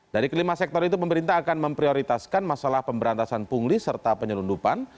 dari kelima sektor itu pemerintah akan memprioritaskan masalah pemberantasan pungli serta penyelundupan